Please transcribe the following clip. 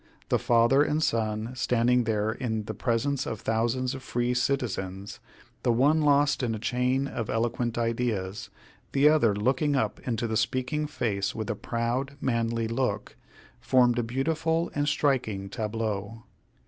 The father and son standing there in the presence of thousands of free citizens, the one lost in a chain of eloquent ideas, the other looking up into the speaking face with a proud, manly look, formed a beautiful and striking tableau.